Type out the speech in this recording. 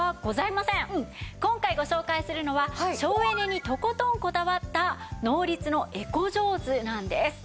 今回ご紹介するのは省エネにとことんこだわったノーリツのエコジョーズなんです。